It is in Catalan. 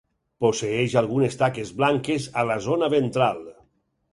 Posseeix algunes taques blanques a la zona ventral.